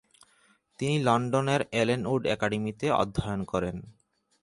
তিনি লন্ডনের অ্যালেনউড অ্যাকাডেমিতে অধ্যয়ন করেন।